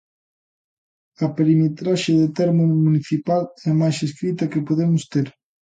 A perimetraxe de termo municipal é a máis estrita que podemos ter.